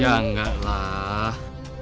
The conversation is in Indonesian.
ya enggak lah